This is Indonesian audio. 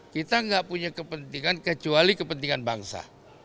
kita nggak punya kepentingan kecuali kepentingan bangsa